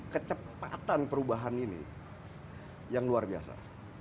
kecepatan perubahan ini yang luar biasa